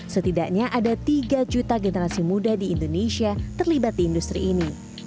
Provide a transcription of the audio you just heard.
setidaknya ada tiga juta generasi muda di indonesia terlibat di industri ini